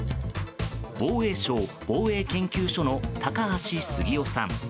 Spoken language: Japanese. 防衛省防衛研究所の高橋杉雄さん。